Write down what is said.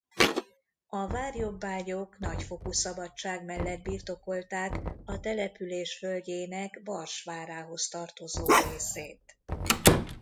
A várjobbágyok nagyfokú szabadság mellett birtokolták a település földjének Bars várához tartozó részét.